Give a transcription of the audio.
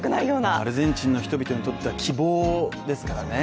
アルゼンチンの人々にとっては希望ですからね。